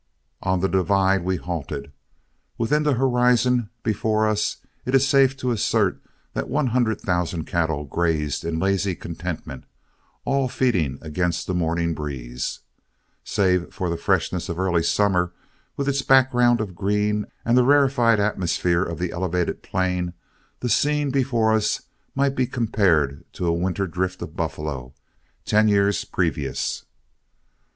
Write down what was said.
On the divide we halted. Within the horizon before us, it is safe to assert that one hundred thousand cattle grazed in lazy contentment, all feeding against the morning breeze. Save for the freshness of early summer, with its background of green and the rarified atmosphere of the elevated plain, the scene before us might be compared to a winter drift of buffalo, ten years previous.